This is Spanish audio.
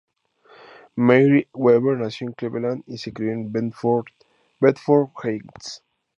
Mary Weber nació en Cleveland, y se crio en Bedford Heights.